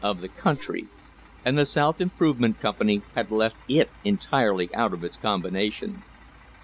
THE OIL WAR OF 1872 the country, and the South Improvement Company had left it entirely out of its combination.